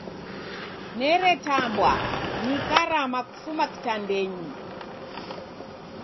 Neretambwa, nikarama kufuma kitandenyi!